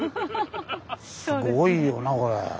すごいよなこれ。